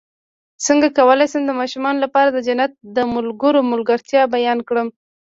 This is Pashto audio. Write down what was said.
څنګه کولی شم د ماشومانو لپاره د جنت د ملګرو ملګرتیا بیان کړم